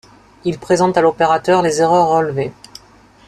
Il présente à l'opérateur les erreurs relevées.